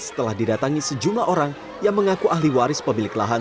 setelah didatangi sejumlah orang yang mengaku ahli waris pemilik lahan